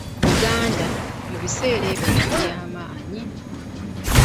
Buganda, mu biseera ebya yali yamanyi.